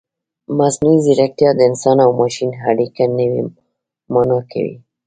مصنوعي ځیرکتیا د انسان او ماشین اړیکه نوې مانا کوي.